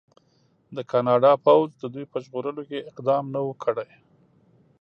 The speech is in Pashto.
د کاناډا پوځ د دوی په ژغورلو کې اقدام نه و کړی.